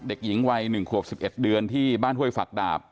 เด็กหญิงวัย๑ขวบ๑๑เดือนที่บ้านห้วยฝักดาบ